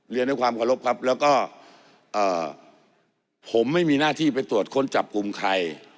เรียนด้วยความเคารพครับแล้วก็ผมไม่มีหน้าที่ไปตรวจค้นจับกลุ่มใคร